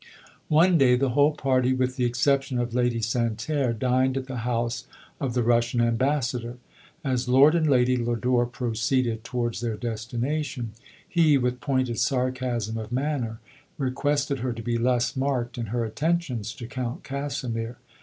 One day the whole party, with the exception of Ladv Santerre, dined at the house of th< Russian ambassador. As Lord and Ladv Lodore proceeded towards their destination, he, with pointed sarcasm of manner, requested her to be less marked in her attentions to Count Casimir.